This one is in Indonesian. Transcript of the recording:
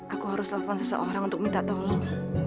aku harus telepon seseorang untuk minta tolong